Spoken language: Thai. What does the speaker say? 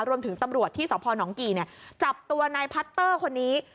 รวมถึงตำรวจที่สะพอนหนองกี่เนี่ยจับตัวนายพัตเตอร์คนนี้